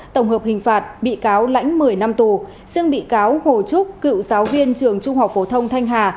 tổng hợp hình phạt bị cáo lãnh một mươi năm tù xương bị cáo hồ trúc cựu giáo viên trường trung học phổ thông thanh hà